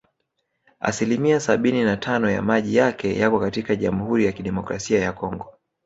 Asilia sabini na tano ya maji yake yako katika Jamhuri ya Kidemokrasia ya Kongo